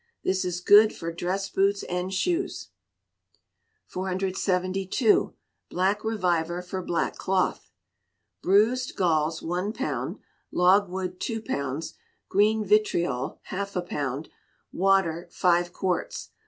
This is good for dress boots and shoes 472. Black Reviver for Black Cloth. Bruised galls, one pound; logwood, two pounds; green vitriol, half a pound; water, five quarts.